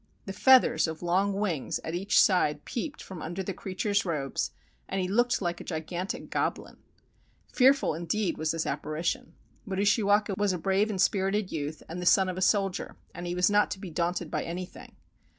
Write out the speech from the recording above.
The feathers of long wings at each side peeped from under the creature's robes, and he looked like a gigantic goblin. Fearful in deed was this apparition. But Ushiwaka was a brave and spirited youth and the son of a soldier, and he was not to be daunted by anything.